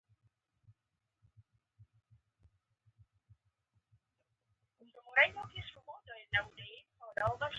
د مؤمن نیت له خدای سره تړلی وي.